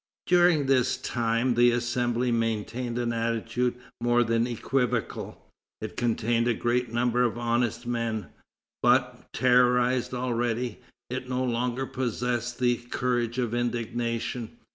During this time the Assembly maintained an attitude more than equivocal. It contained a great number of honest men. But, terrorized already, it no longer possessed the courage of indignation.